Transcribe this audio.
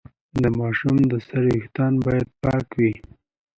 د ماشوم د سر ویښتان باید پاک وي۔